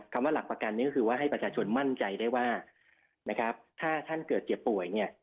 คำว่าหลักประกันนี้ก็คือว่าให้ประชาชนมั่นใจได้ว่านะครับถ้าท่านเกิดเจ็บป่วยเนี่ย